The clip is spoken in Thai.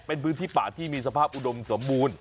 เป็นพื้นที่ป่าที่มีสภาพอุดมสมบูรณ์